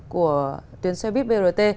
của tuyến xe bíp brt